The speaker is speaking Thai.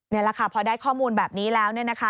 นี่แหละค่ะพอได้ข้อมูลแบบนี้แล้วเนี่ยนะคะ